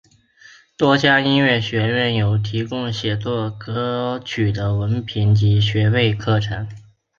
多家音乐学院有提供写作歌曲的文凭及学位课程。